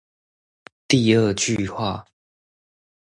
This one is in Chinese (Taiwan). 第二句話